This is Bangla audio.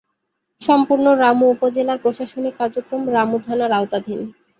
সম্পূর্ণ রামু উপজেলার প্রশাসনিক কার্যক্রম রামু থানার আওতাধীন।